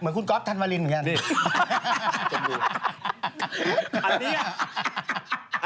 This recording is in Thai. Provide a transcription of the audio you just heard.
เหมือนคุณก๊อฟทันวางริงเหมือนกัน